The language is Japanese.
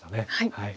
はい。